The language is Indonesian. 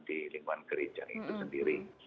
di lingkungan gereja itu sendiri